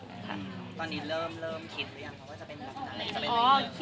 ตอนนี้เริ่มเริ่มคิดหรือยังว่าจะเป็นอะไร